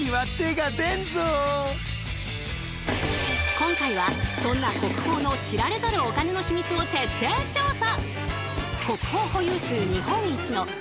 今回はそんな国宝の知られざるお金のヒミツを徹底調査！